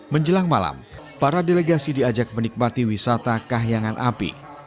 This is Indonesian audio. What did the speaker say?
menjelang malam para delegasi diajak menikmati wisata kahyangan api